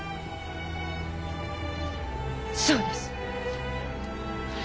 そうです。